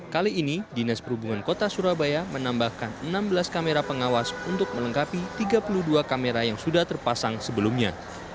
kali ini dinas perhubungan kota surabaya menambahkan enam belas kamera pengawas untuk melengkapi tiga puluh dua kamera yang sudah terpasang sebelumnya